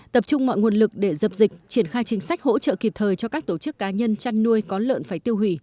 tập trung mọi nguồn lực để dập dịch triển khai chính sách hỗ trợ kịp thời cho các tổ chức cá nhân chăn nuôi có lợn phải tiêu hủy